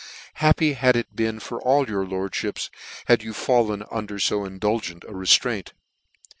happy had it been for all your lordfhips, had you fallen under fo indulgent a reflraint